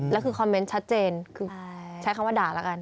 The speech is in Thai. แล้วคือคอมเมนต์ชัดเจนคือใช้คำว่าด่าแล้วกัน